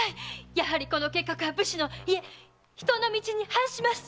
やはりこの計画は武士のいえ人の道に反します！